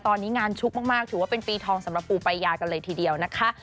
ตอนนี้งานชุกมากถือว่าเป็นปีทองสำหรับปูปายากันเลยทีเดียวนะคะ